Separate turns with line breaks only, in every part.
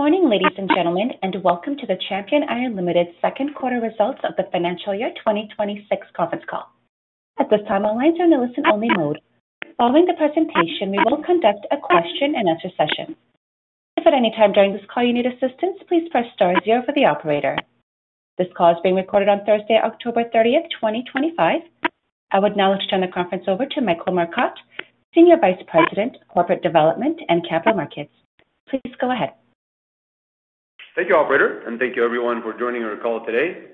Good morning ladies and gentlemen and welcome to the Champion Iron Limited Second Quarter Results of the Financial Year 2026 Conference call. At this time, lines are in a listen-only mode. Following the presentation, we will conduct a question and answer session. If at any time during this call you need assistance, please press star zero for the operator. This call is being recorded on Thursday, October 30, 2025. I would now like to turn the conference over to Michael Marcotte, Senior Vice President, Corporate Development and Capital Markets. Please go ahead.
Thank you, operator. Thank you, everyone, for joining our call today.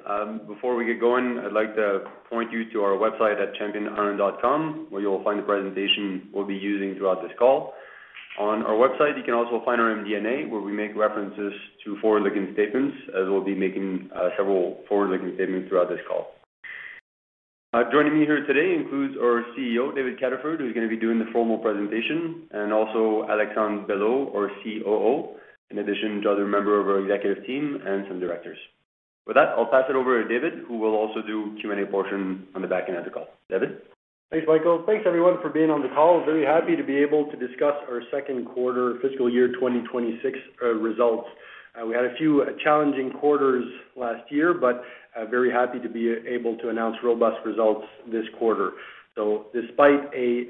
Before we get going, I'd like to point you to our website at championiron.com where you'll find the presentation we'll be using throughout this call. On our website, you can also find our MD&A where we make references to forward-looking statements, as we'll be making several forward-looking statements throughout this call. Joining me here today includes our CEO, David Cataford, who's going to be doing the formal presentation, and also Alexandre Belleau, our COO, in addition to other members of our executive team and some directors. With that, I'll pass it over to David, who will also do the Q&A portion on the back end of the call. David. Thanks, Michael. Thanks, everyone, for being on the call. Very happy to be able to discuss our second quarter fiscal year 2026 results. We had a few challenging quarters last year, but very happy to be able to announce robust results this quarter. Despite a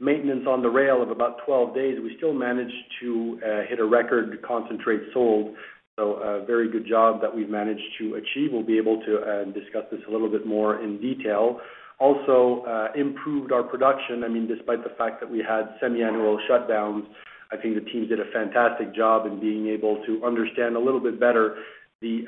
maybe the rail of about 12 days, we still managed to hit a record concentrate sold. A very good job that we've managed to achieve. We'll be able to discuss this a little bit more in detail. Also improved our production. Despite the fact that we had semiannual shutdowns, I think the team did a fantastic job in being able to understand a little bit better the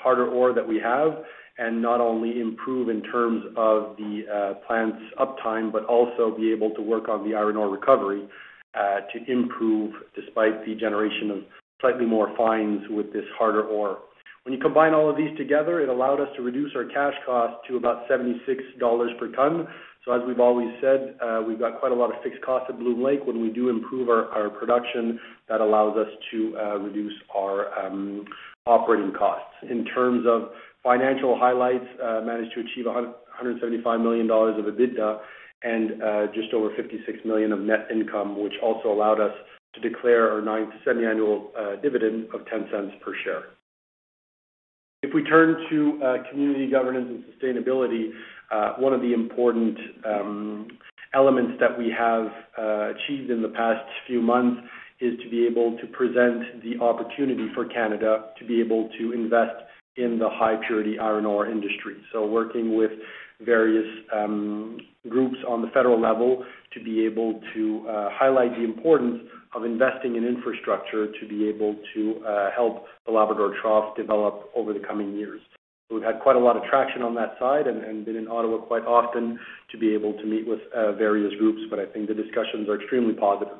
harder ore that we have and not only improve in terms of the plant's uptime, but also be able to work on the iron ore recovery to improve despite the generation of slightly more fines with this harder ore. When you combine all of these together, it allowed us to reduce our cash cost to about $76 per ton. As we've always said, we've got quite a lot of fixed cost at Bloom Lake. When we do improve our production, that allows us to reduce our operating costs. In terms of financial highlights, managed to achieve $175 million of EBITDA and just over $56 million of net income, which also allowed us to declare a semiannual dividend of $0.10 per share. If we turn to community governance and sustainability, one of the important elements that we have achieved in the past few months is to be able to present the opportunity for Canada to be able to invest in the high purity iron ore industry. Working with various groups on the federal level to be able to highlight the importance of investing in infrastructure to be able to help the Labrador Trough develop over the coming years. We've had quite a lot of traction on that side and been in Ottawa quite often to be able to meet with various groups. I think the discussions are extremely positive.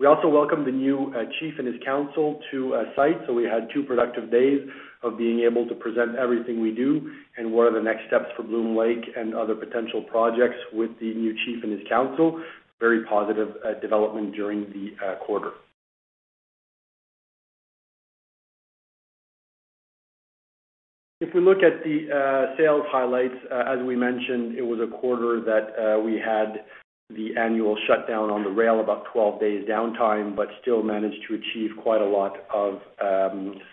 We also welcomed the new Chief and his council to site. We had two productive days of being able to present everything we do and what are the next steps for Bloom Lake and other potential projects with the new Chief and his council. Very positive development during the quarter. If we look at the sales highlights, as we mentioned, it was a quarter that we had the annual shutdown on the rail, about 12 days downtime, but still managed to achieve quite a lot of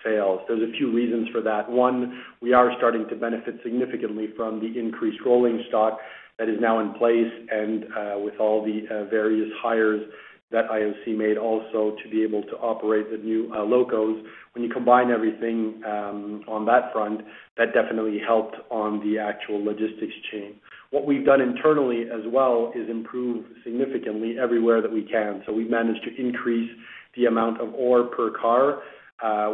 sales. There are a few reasons for that. One, we are starting to benefit significantly from the increased rolling stock that is now in place and with all the various hires that IOC made, also to be able to operate the new locos. When you combine everything on that front, that definitely helped on the actual logistics chain. What we've done internally as well is improve significantly everywhere that we can. We've managed to increase the amount of ore per car,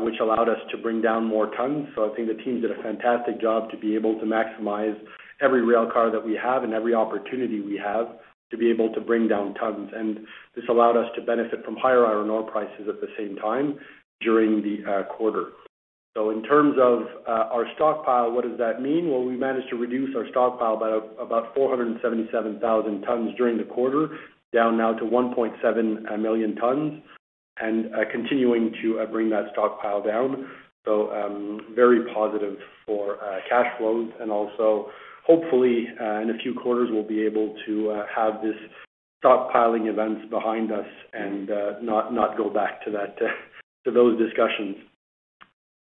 which allowed us to bring down more tons. I think the team did a fantastic job to be able to maximize every rail car that we have and every opportunity we have to be able to bring down tons. This allowed us to benefit from higher iron ore prices at the same time during the quarter. In terms of our stockpile, what does that mean? We managed to reduce our stockpile by about 477,000 tons during the quarter, down now to 1.7 million tons and continuing to bring that stockpile down. Very positive for cash flows. Hopefully in a few quarters we'll be able to have this piling events behind us and not go back to those discussions.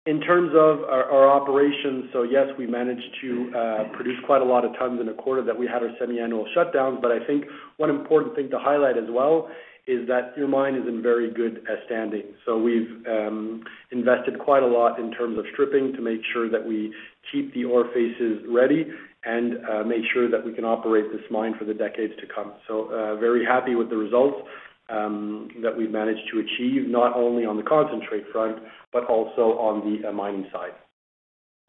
In terms of our operations. Yes, we managed to produce quite a lot of tons in a quarter that we had our semi-annual shutdowns. I think one important thing to highlight as well is that your mine is in very good standing. We've invested quite a lot in terms of stripping to make sure that we keep the ore faces ready and make sure that we can operate this mine for the decades to come. Very happy with the results that we've managed to achieve not only on the concentrate front, but also on the mining side.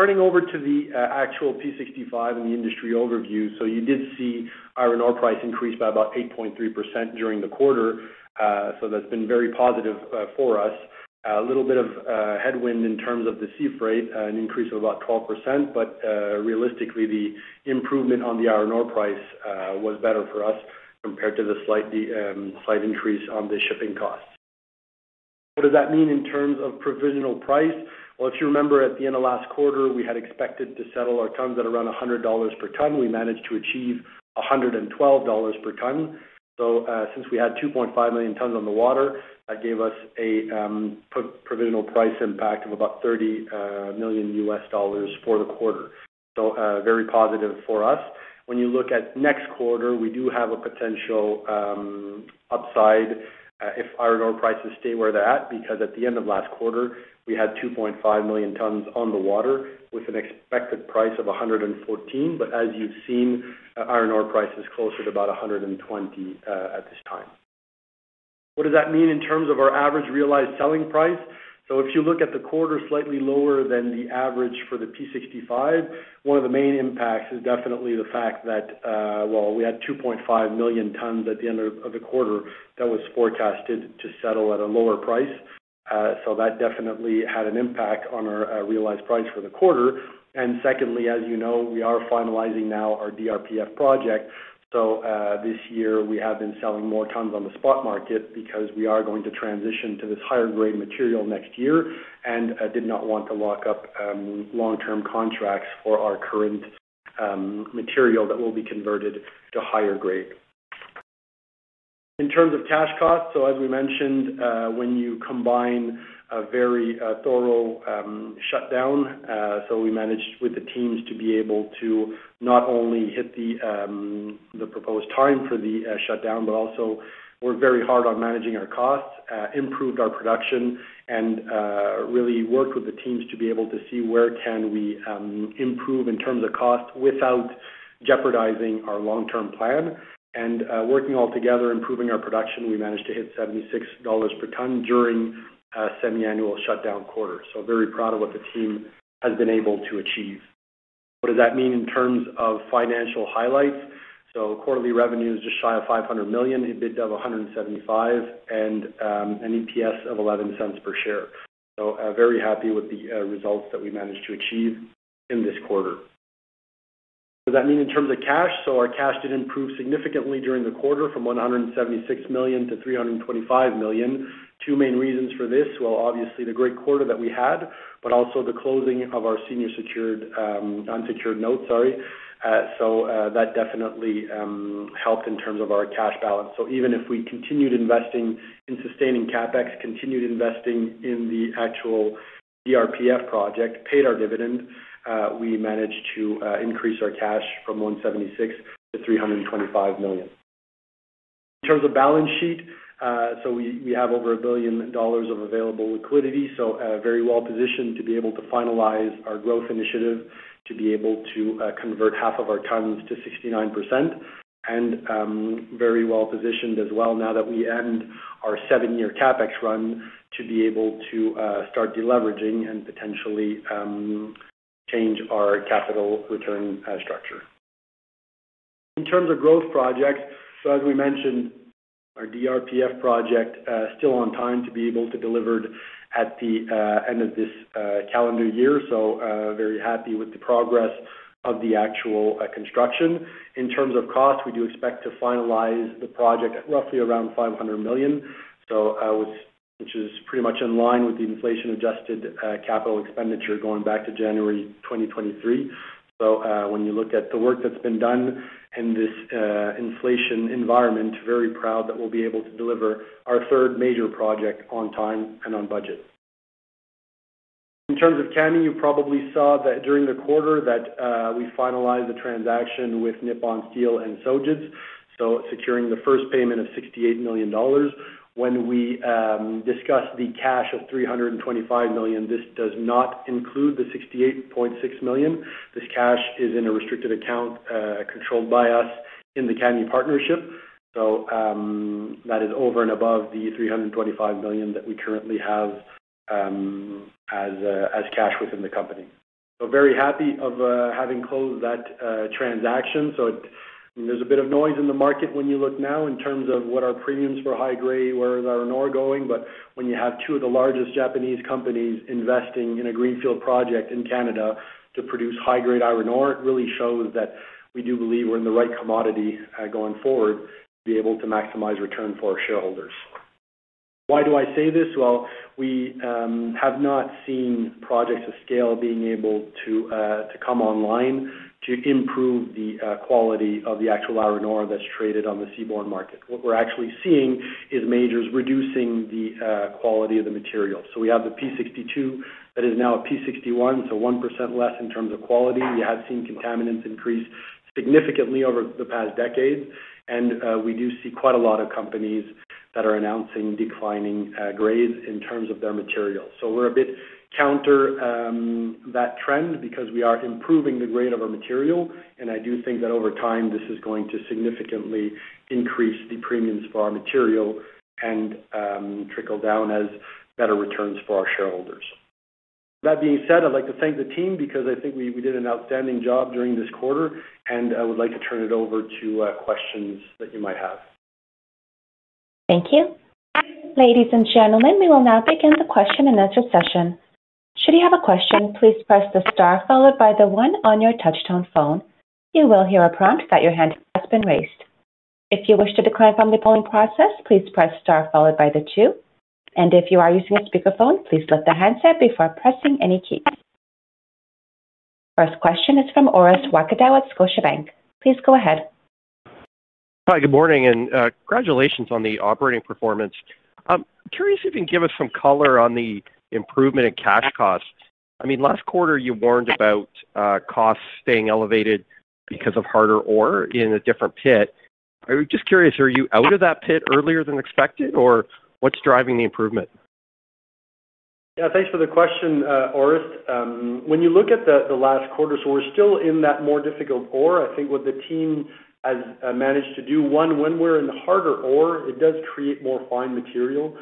Turning over to the actual P65 and the industry overview, you did see iron ore price increase by about 8.3% during the quarter. That's been very positive for us. A little bit of headwind in terms of the sea freight, an increase of about 12%. Realistically, the improvement on the iron ore price was better for us compared to the slight increase on the shipping costs. What does that mean in terms of provisional price? If you remember, at the end of last quarter we had expected to settle our tons at around $100 per ton. We managed to achieve $112 per ton. Since we had 2.5 million tons on the water, that gave us a provisional price impact of about $30 million for the quarter. Very positive for us. When you look at next quarter, we do have a potential upside if iron ore prices stay where they're at because at the end of last quarter we had 2.5 million tons on the water with an expected price of $114. As you've seen, iron ore price is closer to about $120 at this time. What does that mean in terms of our average realized selling price? If you look at the quarter, slightly lower than the average for the P65, one of the main impacts is definitely the fact that we had 2.5 million tons at the end of the quarter that was forecasted to settle at a lower price. That definitely had an impact on our realized price for the quarter. Secondly, as you know, we are finalizing now our DRPF project. This year we have been selling more tons on the spot market because we are going to transition to this higher grade material next year and did not want to lock up long term contracts for our current material that will be converted to higher grade. In terms of cash costs, as we mentioned, when you combine a very thorough shutdown, we managed with the teams to be able to not only hit the proposed time for the shutdown, but also worked very hard on managing our costs, improved our production and really worked with the teams to be able to see where can we improve in terms of cost without jeopardizing our long term plan and working altogether improving our production. We managed to hit $76 per ton during semiannual shutdown quarter. Very proud of what the team has been able to achieve. What does that mean in terms of financial highlights? Quarterly revenue is just shy of $500 million, EBITDA of $175 million, and an EPS of $0.11 per share. Very happy with the results that we managed to achieve in this quarter. What does that mean in terms of cash? Our cash did improve significantly during the quarter from $176 million-$325 million. Two main reasons for this. Obviously the great quarter that we had, but also the closing of our senior secured unsecured notes. That definitely helped in terms of our cash balance. Even if we continued investing in sustaining CapEx, continued investing in the actual DRPF project, paid our dividend, we managed to increase our cash from $176 million-$325 million in terms of balance sheet. We have over $1 billion of available liquidity. Very well positioned to be able to finalize our growth initiative to be able to convert half of our tons to 69%. Very well positioned as well now that we end our seven year CaPex run to be able to start deleveraging and potentially change our capital return structure in terms of growth projects. As we mentioned, our DRPF project is still on time to be able to deliver at the end of this calendar year. Very happy with the progress of the actual construction. In terms of cost, we do expect to finalize the project at roughly around $500 million, which is pretty much in line with the inflation adjusted capital expenditures going back to January 2023. When you look at the work that's been done in this inflation environment, very proud that we'll be able to deliver our third major project on time and on budget. In terms of Kami, you probably saw that during the quarter we finalized the transaction with Nippon Steel and Sojitz, securing the first payment of $68 million. When we discuss the cash of $325 million, this does not include the $68.6 million. This cash is in a restricted account controlled by us in the Kami partnership. That is over and above the $325 million that we currently have as cash within the company. Very happy of having closed that transaction. There's a bit of noise in the market when you look now in terms of what our premiums for high grade are. Where is iron ore going, but when you have two of the largest Japanese companies investing in a greenfield project in Canada to produce high grade iron ore, it really shows that we do believe we're in the right commodity going forward to be able to maximize return for our shareholders. Why do I say this? We have not seen projects of scale being able to come online to improve the quality of the actual iron ore that's traded on the seaborne market. What we're actually seeing is majors reducing the quality of the material. We have the P62 that is now a P61, so 1% less in terms of quality. We have seen contaminants increase significantly over the past decade, and we do see quite a lot of companies that are announcing declining grades in terms of their materials. We are a bit counter to that trend because we are improving the grade of our material. I do think that over time this is going to significantly increase the premiums for our material and trickle down as better returns for our shareholders. That being said, I'd like to thank the team because I think we did an outstanding job during this quarter, and I would like to turn it over to questions that you might have.
Thank you, ladies and gentlemen. We will now begin the question and answer session. Should you have a question, please press the star followed by the one On your touchtone phone, you will hear a prompt that your hand has been raised. If you wish to decline from the polling process, please press star followed by the two. If you are using a speakerphone, please lift the handset before pressing any keys. First question is from Orest Wowkodaw at Scotiabank. Please go ahead.
Hi, good morning and congratulations on the operating performance. Curious if you can give us some color on the improvement in cash costs. I mean last quarter you warned about costs staying elevated because of harder ore in a different pit. I was just curious, are you out of that pit earlier than expected or what's driving the improvement?
Yeah, thanks for the question, Orest. When you look at the last quarter, we're still in that more difficult ore. I think what the team has managed to do, when we're in harder ore, it does create more fine material.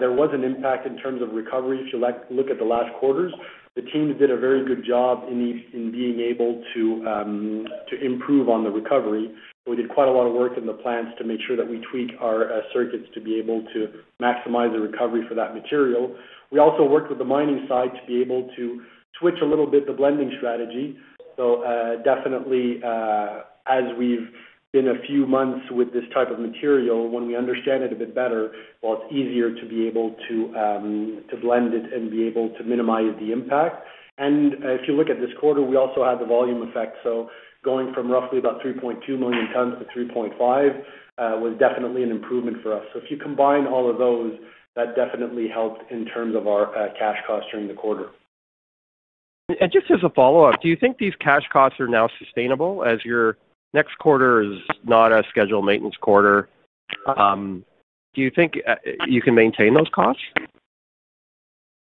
There was an impact in terms of recovery. If you look at the last quarters, the team did a very good job in being able to improve on the recovery. We did quite a lot of work in the plants to make sure that we tweak our circuits to be able to maximize the recovery for that material. We also worked with the mining side to be able to switch a little bit the blending strategy. Definitely, as we've been a few months with this type of material, when we understand it a bit better, it's easier to be able to blend it and be able to minimize the impact. If you look at this quarter, we also had the volume effect. Going from roughly about 3.2 million tons-3.5 million tons was definitely an improvement for us. If you combine all of those, that definitely helped in terms of our cash cost during the quarter.
As a follow up, do you think these cash costs are now sustainable? As your next quarter is not a scheduled maintenance quarter, do you think you can maintain those costs?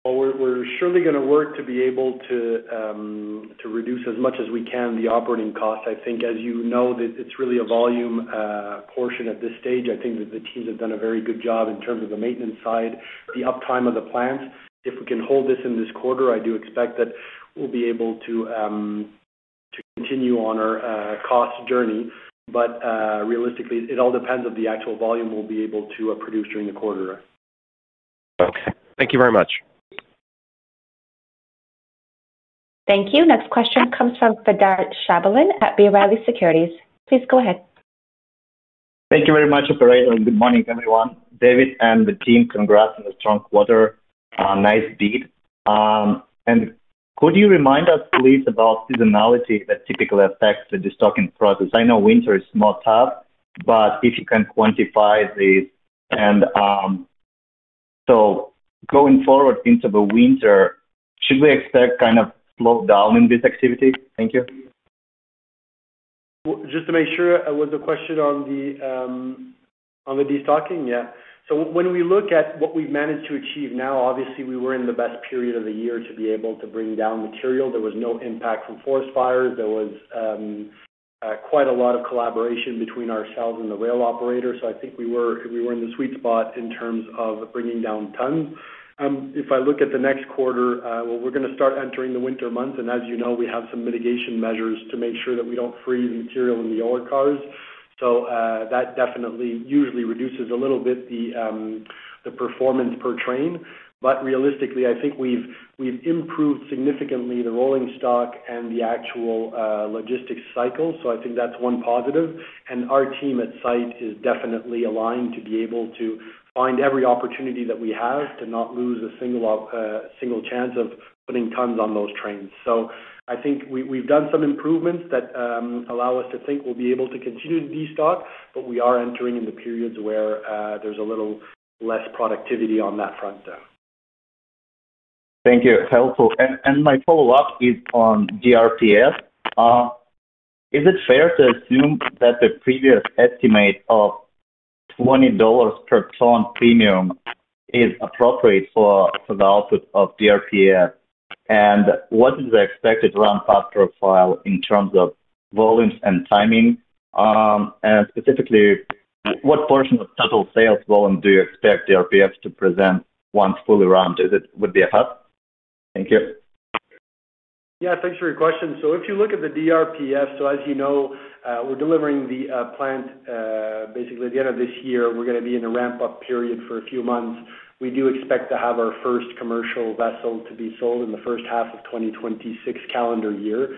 We're surely going to work to be able to reduce as much as we can the operating costs. I think, as you know, it's really a volume portion at this stage. I think that the teams have done a very good job in terms of the maintenance side, the uptime of the plants. If we can hold this in this quarter, I do expect that we'll be able to continue on our cost journey. Realistically, it all depends on the actual volume we'll be able to produce during the quarter.
Okay, thank you very much.
Thank you. Next question comes from Fadi Chamoun at B. Riley Securities. Please go ahead.
Thank you very much, Operator. Good morning, everyone. David and the team, congrats on a strong quarter. Nice bid. Could you remind us please about seasonality that typically affects the destocking process? I know winter is not tough, but if you can quantify this. Going forward into the winter, should we expect kind of slow down in this activity? Thank you.
Just to make sure, was a question on the destocking. Yes. When we look at what we've managed to achieve now, obviously we were in the best period of the year to be able to bring down material. There was no impact from forest fires. There was quite a lot of collaboration between ourselves and the rail operator. I think we were in the sweet spot in terms of bringing down tons. If I look at the next quarter, we're going to start entering the winter months and as you know, we have some mitigation measures to make sure that we don't fall material in the older cars. That definitely usually reduces a little bit the performance per train. Realistically, I think we've improved significantly the rolling stock and the actual logistics cycle. I think that's one positive and our team at site is definitely aligned to be able to find every opportunity that we have to not lose a single chance of putting tons on those trains. I think we've done some improvements that allow us to think we'll be able to continue stock, but we are entering into periods where there's a little less productivity on that front.
Thank you, Helso. My follow up is on DRPFs. Is it fair to assume that the previous estimate of $20 per ton premium is appropriate for the output of DRPF. What is the expected ramp up profile in terms of volumes and timing, and specifically, what portion of total sales volume do you expect DRPFs to present once fully ramped would be a hub. Thank you.
Yeah, thanks for your question. If you look at the DRPF, as you know, we're delivering the plant basically at the end of this year. We're going to be in a ramp-up period for a few months. We do expect to have our first commercial vessel to be sold in the first half of the 2026 calendar year.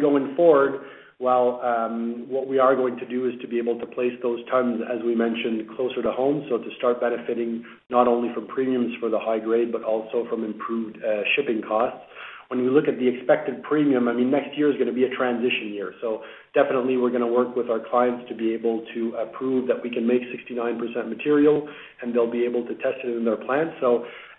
Going forward, what we are going to do is to be able to place those tons, as we mentioned, closer to home to start benefiting not only from premiums for the high grade, but also from improved shipping costs. When we look at the expected premium, next year is going to be a transition year. We're going to work with our clients to be able to prove that we can make 69% material and they'll be able to test it in their plant.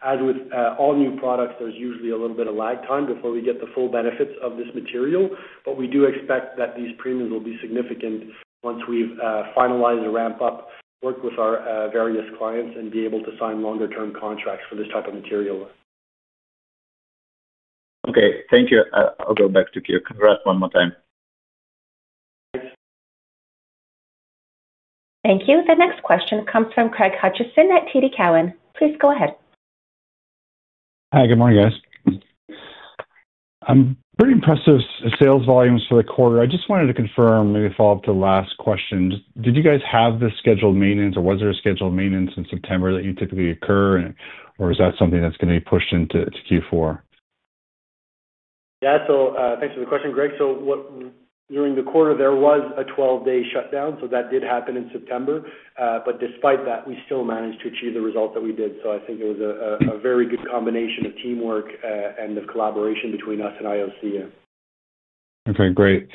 As with all new products, there's usually a little bit of lag time before we get the full benefits of this material. We do expect that these premiums will be significant once we've finalized a ramp-up, worked with our various clients, and are able to sign longer-term contracts for this type of material.
Okay, thank you. I'll go back to queue. Congrats one more time.
Thank you. The next question comes from Craig Hutchison at TD Cowen. Please go ahead.
Hi, good morning guys. Pretty impressive sales volumes for the quarter. I just wanted to confirm, maybe follow up to the last question. Did you guys have this scheduled maintenance or was there a scheduled maintenance in September that you typically occur, or is that something that's going to be pushed into Q4?
Yeah, thanks for the question, Greg. During the quarter there was a 12-day shutdown that did happen in September. Despite that, we still managed to achieve the result that we did. I think it was a very good combination of teamwork and the collaboration between us and IOC.
Okay, great.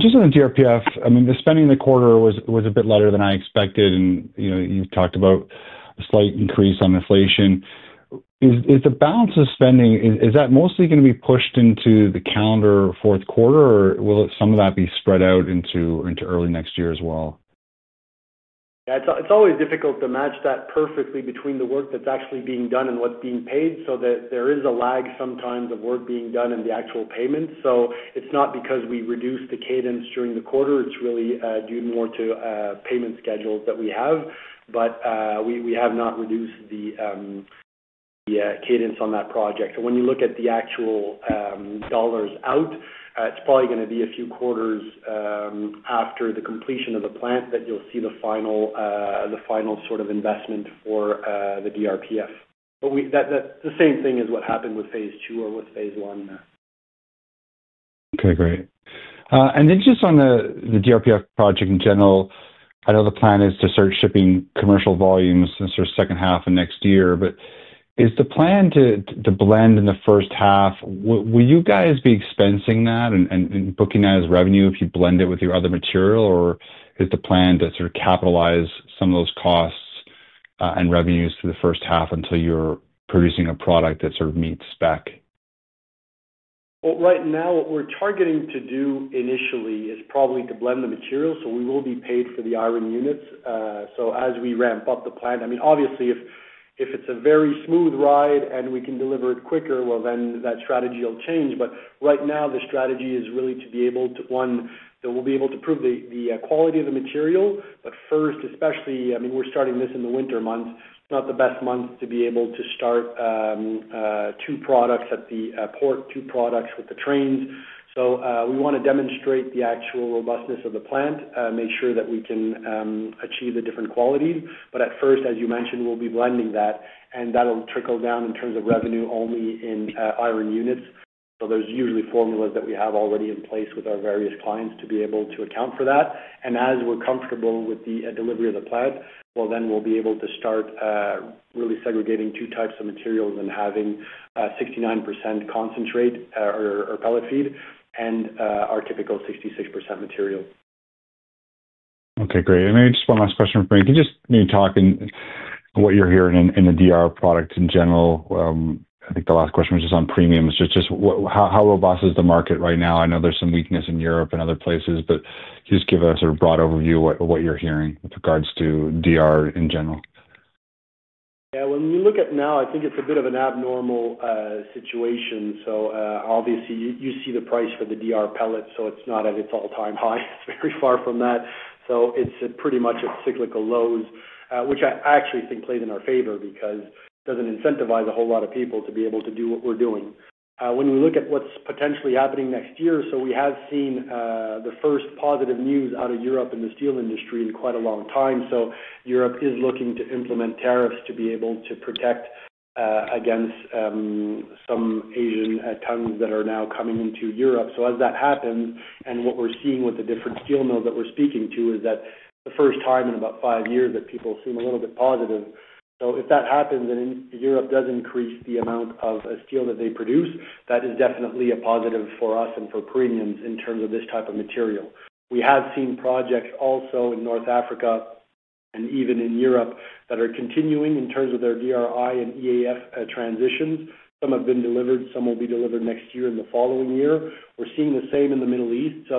Just on the DRPF, I mean the spending in the quarter was a bit lighter than I expected. You talked about a slight increase on inflation. Is the balance of spending mostly going to be pushed into the calendar fourth quarter, or will some of that be spread out into early next year as well?
It's always difficult to match that perfectly between the work that's actually being done and what's being paid. There is a lag sometimes of work being done and the actual payments. It's not because we reduced the cadence during the quarter. It's really due more to payment schedules that we have. We have not reduced the cadence on that project. When you look at the actual dollars out, it's probably going to be a few quarters after the completion of the plant that you'll see the final sort of investment for the DRPF. That's the same thing as what happened with Phase Two or with Phase One.
Okay, great. Just on the DRPF project in general, I know the plan is to start shipping commercial volumes second half of next year. Is the plan to blend in the first half? Will you guys be expensing that and booking that as revenue if you blend it with your other material, or is the plan to capitalize some of those costs and revenues through the first half until you're producing a product that sort of meets spec?
Right now what we're targeting to do initially is probably to blend the materials. We will be paid for the iron units. As we ramp up the plant, if it's a very smooth ride and we can deliver it quicker, that strategy will change. Right now the strategy is really to be able to prove the quality of the material. First, especially, we're starting this in the winter months, not the best month to be able to start two products at the port, two products with the trains. We want to demonstrate the actual robustness of the plant, make sure that we can achieve the different qualities. At first, as you mentioned, we'll be blending that, and that will trickle down in terms of revenue only in iron units. There are usually formulas that we have already in place with our various clients to be able to account for that. As we're comfortable with the delivery of the plant, we'll be able to start really segregating two types of materials and having 69% concentrate or pellet feed and our typical 66% material.
Okay, great. Maybe just one last question for me. Can you just talk in what you're hearing in the DRPF product in general? I think the last question was just on premiums. How robust is the market right now? I know there's some weakness in Europe and other places, but just give us a broad overview of what you're hearing with regards to DRPF in general.
When you look at it now, I think it's a bit of an abnormal situation. Obviously, you see the price for the DRPF. It's not at its all-time high. It's very far from that. It's pretty much at cyclical lows, which I actually think plays in our favor because it doesn't incentivize a whole lot of people to be able to do what we're doing when we look at what's potentially happening next year. We have seen the first positive news out of Europe in the steel industry in quite a long time. Europe is looking to implement tariffs to be able to protect against some Asian tons that are now coming into Europe. As that happens, and what we're seeing with the different steel mills that we're speaking to, it's the first time in about five years that people seem a little bit positive. If that happens and Europe does increase the amount of steel that they produce, that is definitely a positive for us and for premiums in terms of this type of material. We have seen projects also in North Africa and even in Europe that are continuing in terms of their DRI and EAF transitions. Some have been delivered, some will be delivered next year and the following year. We're seeing the same in the Middle East.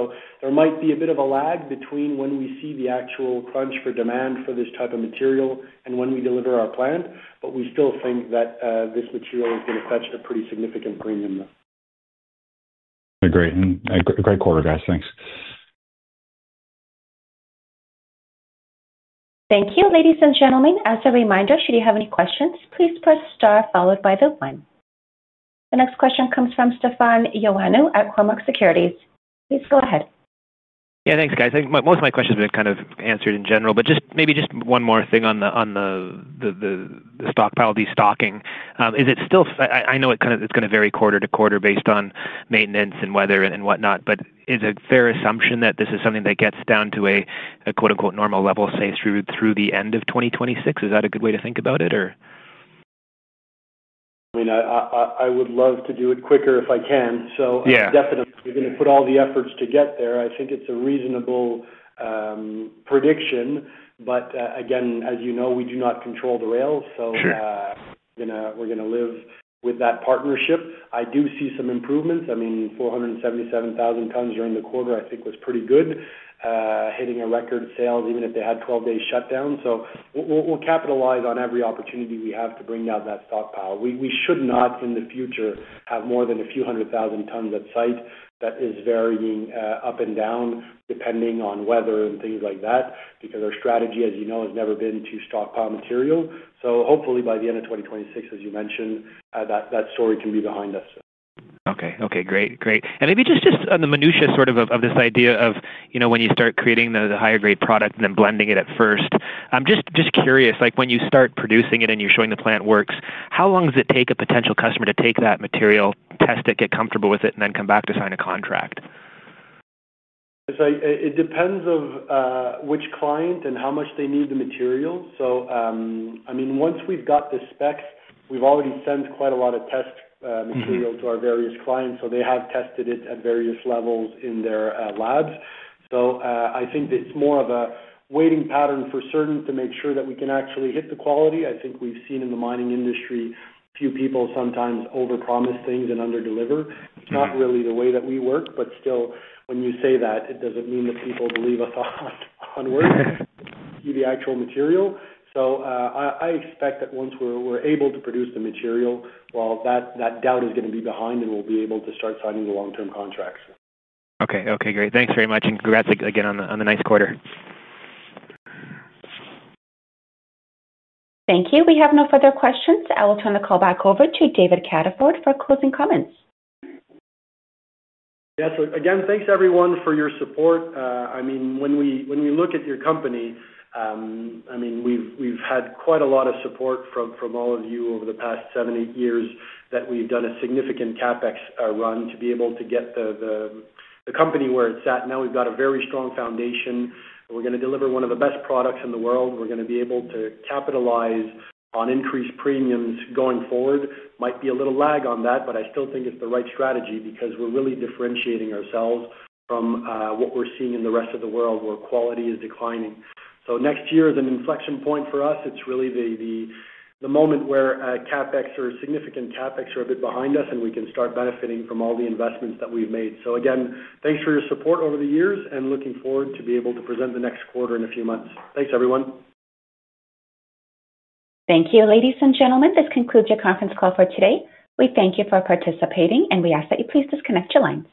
There might be a bit of a lag between when we see the actual crunch for demand for this type of material and when we deliver our plant, but we still think that this material is going to fetch a pretty significant premium.
Great, great quarter, guys. Thanks.
Thank you. Ladies and gentlemen, as a reminder, should you have any questions, please press star followed by 1. The next question comes from Stefan Ioannou at Cormark Securities. Please go ahead.
Yeah, thanks, guys. Most of my questions have been kind of answered in general, but maybe just one more thing on the stockpile destocking. Is it still, I know it kind of, it's going to vary quarter to quarter based on maintenance and weather and whatnot. Is a fair assumption that this is something that gets down to a "normal" level, say through the end of 2026? Is that a good way to think about it?
I mean, I would love to do it quicker if I can. Definitely we're going to put all the efforts to get there. I think it's a reasonable prediction. Again, as you know, we do not control the rails, so we're going to live with that partnership. I do see some improvements. I mean, 477,000 tons during the quarter I think was pretty hitting a record sales even if they had a 12-day shutdown. We'll capitalize on every opportunity we have to bring down that stockpile. We should not in the future have more than a few hundred thousand tons at site that is varying up and down depending on weather and things like that. Our strategy, as you know, has never been to stockpile material. Hopefully by the end of 2026, as you mentioned, that story can be behind us.
Okay, great. Maybe just the minutiae of this idea of, you know, when you start creating the higher grade, blending it at first, I'm just curious, like when you start producing it and you're showing the plant works, how long does it take a potential customer to take that material, test it, get comfortable with it, and then come back to sign a contract?
It depends on which client and how much they need the material. Once we've got the specs, we've already sent quite a lot of test material to our various clients, so they have tested it at various levels in their labs. I think it's more of a waiting pattern for certain to make sure that we can actually hit the quality. I think we've seen in the mining industry, few people sometimes overpromise things and underdeliver. It's not really the way that we work. When you say that, it doesn't mean that people believe us until they see the actual material. I expect that once we're able to produce the material, that doubt is going to be behind and we'll be able to start signing the long-term contract.
Okay, great. Thanks very much and congrats again on the nice quarter.
Thank you. We have no further questions. I will turn the call back over to David Cataford for closing comments.
Yes, again, thanks everyone for your support. When we look at our company, we've had quite a lot of support from all of you over the past seven, eight years that we've done a significant CapEx run to be able to get the company where it's at now. We've got a very strong foundation. We're going to deliver one of the best products in the world. We're going to be able to capitalize on increased premiums going forward. There might be a little lag on that, but I still think it's the right strategy because we're really differentiating ourselves from what we're seeing in the rest of the world where quality is declining. Next year is an inflection point for us. It's really the moment where CapEx or significant CapEx are a bit behind us and we can start benefiting from all the investments that we've made. Again, thanks for your support over the years and looking forward to be able to present the next quarter in a few months. Thanks, everyone.
Thank you. Ladies and gentlemen, this concludes your conference call for today. We thank you for participating, and we ask that you please disconnect your lines.